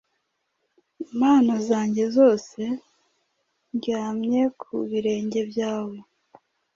Impano zanjye zose ndyamye ku birenge byawe